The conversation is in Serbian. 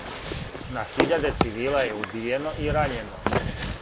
На хиљаде цивила је убијено и рањено.